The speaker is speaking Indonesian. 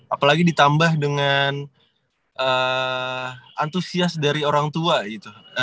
apalagi ditambah dengan antusias dari orang tua gitu